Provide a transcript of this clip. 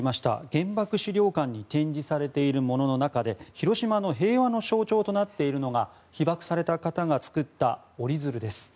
原爆資料館に展示されているものの中で広島の平和の象徴となっているのが被爆された方が作った折り鶴です。